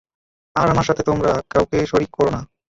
আর আমার সাথে তোমরা কাউকে শরীক করো না।